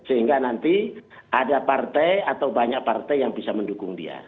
sehingga nanti ada partai atau banyak partai yang bisa mendukung dia